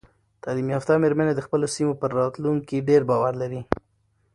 تعلیم یافته میرمنې د خپلو سیمو په راتلونکي ډیر باور لري.